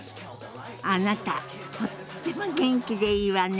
あなたとっても元気でいいわね！